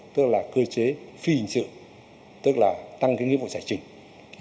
tức là cơ chế phi hình sự tức là tăng nghĩa vụ giải trình